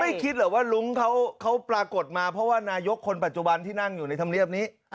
คิดเหรอว่าลุงเขาปรากฏมาเพราะว่านายกคนปัจจุบันที่นั่งอยู่ในธรรมเนียบนี้